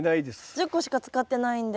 １０個しか使ってないんで。